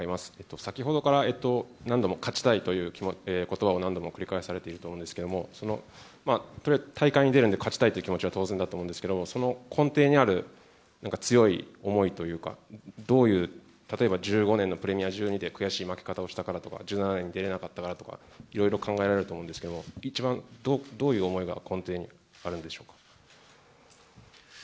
先ほどから何度も勝ちたいということばを何度も繰り返されていると思うけれども、大会に出るんで勝ちたいという気持ちは当然だと思うんですけど、その根底にある、なんか強い思いというか、どういう、例えば１５年のプレミア１２で悔しい負け方をしたからとか、１７年に出れなかったから、とかいろいろ考えられると思うんですけど、一番どういう思いが根底にあるんでしょう？